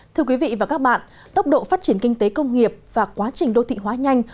thưa quý vị và các bạn tốc độ phát triển kinh tế công nghiệp và quá trình đô thị hóa nhanh